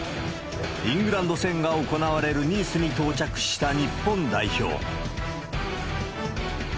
イングランド戦が行われるニースに到着した日本代表。